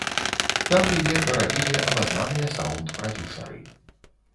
Там яе дарабілі абазнаныя саўнд-прадзюсары.